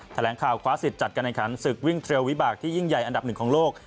แถลงข่าวคว้าสิทธิ์จัดการแข่งขันศึกวิ่งเทรลวิบากที่ยิ่งใหญ่อันดับหนึ่งของโลก